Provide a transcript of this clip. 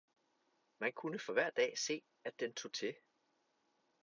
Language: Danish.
man kunne for hver dag se, at den tog til.